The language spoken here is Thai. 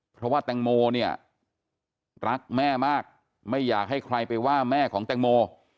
เพราะว่าแตงโมเนี่ยรักแม่มากไม่อยากให้ใครไปว่าแม่ของแตงโม